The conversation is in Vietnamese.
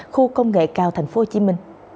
khu công nghệ cao tp hcm